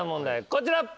こちら。